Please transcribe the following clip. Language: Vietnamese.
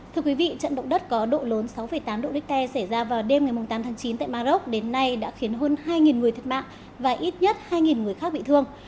thưa quý vị trận động đất có độ lớn sáu tám độ richter xảy ra vào đêm ngày tám tháng chín tại maroc đến nay đã khiến hơn hai người thiệt mạng và ít nhất hai người khác bị thương